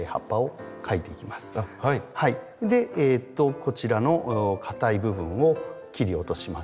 こちらのかたい部分を切り落とします。